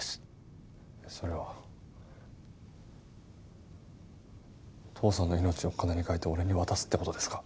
それは父さんの命を金に換えて俺に渡すって事ですか？